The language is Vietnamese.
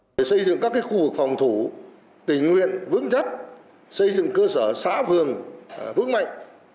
để xây dựng các khu vực phòng thủ tình nguyện vững chắc xây dựng cơ sở xã phường vững mạnh